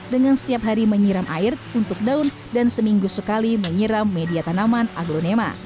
dengan setiap hari menyiram air untuk daun dan seminggu sekali menyiram media tanaman aglonema